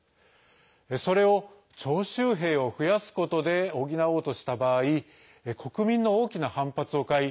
それを徴集兵を増やすことで補おうとした場合国民の大きな反発を買い